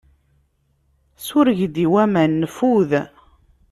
Sureg-d i waman nfud.